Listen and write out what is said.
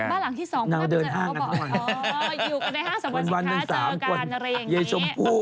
บ้านหลังที่สองก็ได้บอกว่าอยู่กันในห้างสมวนสินค้าเจอกัน